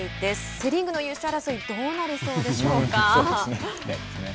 セ・リーグの優勝争いはどうなりそうでしょうか。